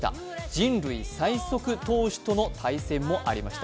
人類最速投手との対戦もありました。